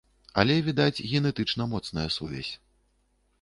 Але, відаць, генетычна моцная сувязь.